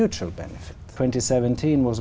quốc gia việt nam